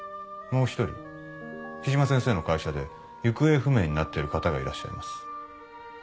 もう一人木島先生の会社で行方不明になってる方がいらっしゃいます。